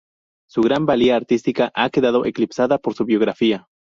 Su gran valía artística ha quedado eclipsada por su biografía.